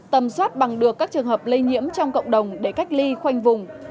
tầm soát bằng được các trường hợp lây nhiễm trong cộng đồng để cách ly khoanh vùng